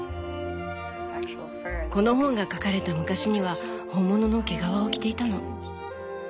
この本が書かれた昔には本物の毛皮を着ていたの。